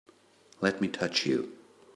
Let me touch you!